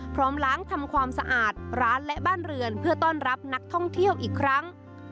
พร้อมล้างทำความสะอาดร้านและบ้านเรือนเพื่อต้อนรับนักท่องเที่ยวอีกครั้ง